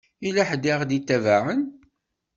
Yella ḥedd i ɣ-d-itabaɛen.